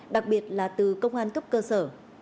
đặc biệt là từ công an cấp cơ sở